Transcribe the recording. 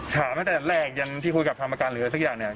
ถามตั้งแต่แรกที่พูดกับธรรมการหรืออะไรสักอย่าง